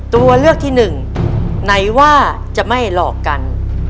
ตัวเลือกที่หนึ่งไหนว่าจะไม่หลอกกัน